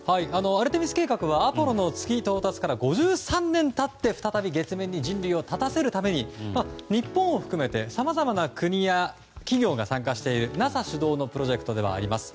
アルテミス計画は「アポロ」の月到達から５３年経って、再び月面に人類を立たせるために日本を含めて、さまざまな国や企業が参加しているＮＡＳＡ主導のプロジェクトではあります。